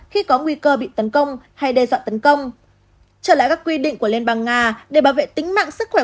khi có nguy cơ bị tấn công hay đe dọa tấn công trở lại các quy định của liên bang nga để bảo vệ tính mạng sức khỏe